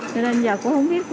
cho nên giờ cũng không biết